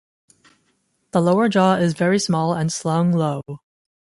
The lower jaw is very small and slung low.